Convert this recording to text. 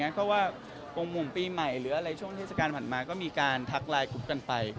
เพราะว่าองค์ผมปีใหม่หรืออะไรช่วงเทศกาลผ่านมาก็มีการทักไลน์กรุ๊ปกันไป